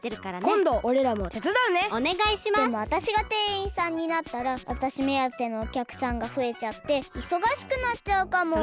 でもあたしがてんいんさんになったらあたしめあてのおきゃくさんがふえちゃっていそがしくなっちゃうかも。